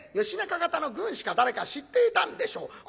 義仲方の軍師か誰か知っていたんでしょう。